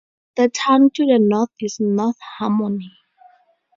The town to the north is North Harmony.